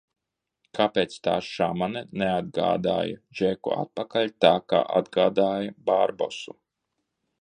Kāpēc tā šamane neatgādāja Džeku atpakaļ tā, kā atgādāja Barbosu?